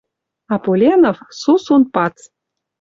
А Поленов — сусун пац: